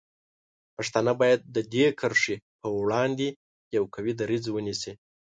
پښتانه باید د دې کرښې په وړاندې یو قوي دریځ ونیسي.